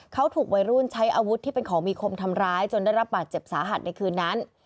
เขาถูกวัยรุ่นใช้อาวุธที่เป็นของมีคมทำร้ายจนได้รับบาดเจ็บสาหัสในคืนนั้น